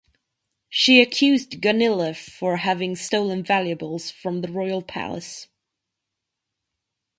She accused Gunilla for having stolen valuables from the Royal Palace.